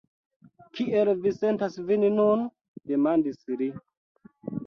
Kiel vi sentas vin nun? demandis li.